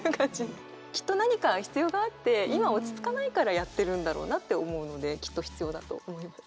きっと何か必要があって今落ち着かないからやってるんだろうなって思うのできっと必要だと思います。